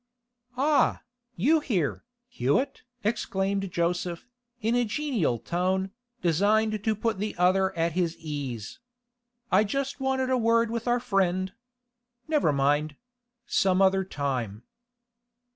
'Ah, you here, Hewett!' exclaimed Joseph, in a genial tone, designed to put the other at his ease. 'I just wanted a word with our friend. Never mind; some other time.